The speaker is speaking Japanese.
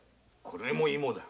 これも芋だ。